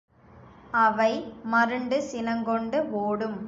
அவை மருண்டு சினங்கொண்டு ஓடும்.